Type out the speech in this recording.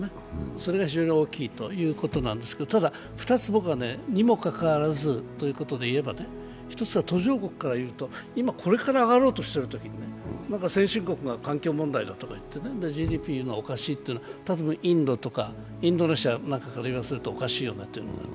それが非常に大きいということなんですがただ２つ、にもかかわらずということで言えば、１つは途上国からいうと、今、これから上がろうとしているときに先進国が環境問題だとか言ってね、ＧＤＰおかしいというのは、インドやインドネシアから言わせるとおかしいよねということがある。